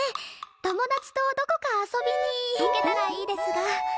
友達とどこか遊びに行けたらいいですが。